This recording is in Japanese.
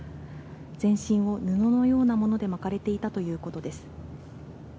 全身を布のようなもので巻かれていたということです。